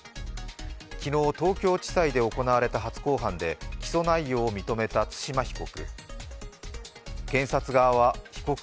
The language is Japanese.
昨日、東京地裁で行われた初公判で起訴内容を認めた対馬被告。